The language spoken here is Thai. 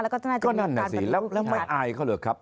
แล้วก็จะน่าจะมีอีกการบริษัทก็นั่นแหละสิแล้วไม่อายก็เลยครับ